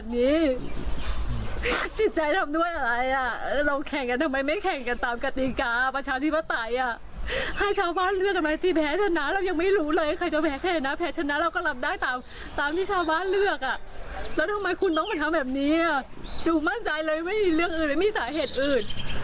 น้องมันทำแบบนี้ดูมั่นใจเลยไม่มีเรื่องอื่นไม่มีสาเหตุอื่น